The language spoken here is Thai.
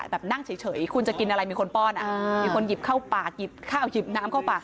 แบบนั่งเฉยคุณจะกินอะไรมีคนป้อนมีคนหยิบเข้าปากหยิบข้าวหยิบน้ำเข้าปาก